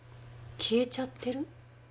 消えちゃってる？